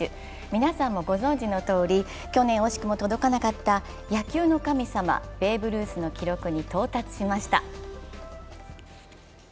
皆さんもご存じのとおり去年惜しくも届かなかった野球の神様、ベーブ・ルースの記録に到達しました。